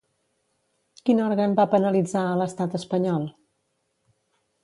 Quin òrgan va penalitzar a l'estat espanyol?